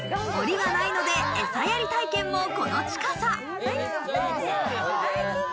檻がないので、えさやり体験もこの近さ。